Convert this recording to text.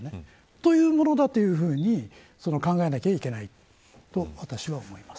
というものだというふうに考えないといけないと、私は思います。